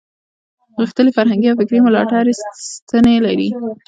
غښتلې فرهنګي او فکري ملاتړې ستنې لري.